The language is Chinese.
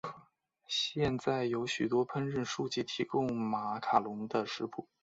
现在有许多烹饪书籍提供马卡龙的食谱。